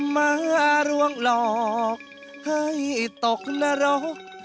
มารวงหลอกให้ตกนรก